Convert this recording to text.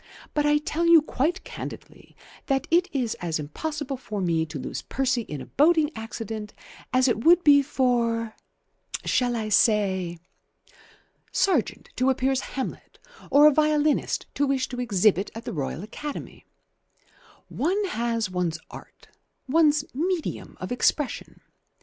But I tell you quite candidly that it is as impossible for me to lose Percy in a boating accident as it would be for shall I say? Sargent to appear as 'Hamlet' or a violinist to wish to exhibit at the Royal Academy. One has one's art, one's medium of expression.